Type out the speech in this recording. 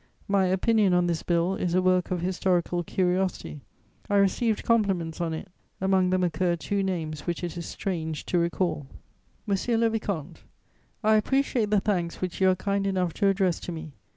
My Opinion on this bill is a work of historical curiosity; I received compliments on it; among them occur two names which it is strange to recall: "MONSIEUR LE VICOMTE, "I appreciate the thanks which you are kind enough to address to me.